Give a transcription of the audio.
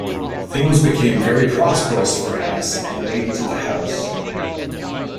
Things became very prosperous for Annis and the ladies of the house.